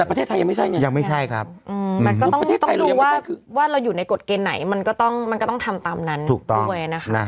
แต่ประเทศไทยยังไม่ใช่ไงยังไม่ใช่ครับประเทศไทยเรายังไม่ใช่คือมันก็ต้องดูว่าว่าเราอยู่ในกฎเกณฑ์ไหนมันก็ต้องทำตามนั้นด้วยนะคะ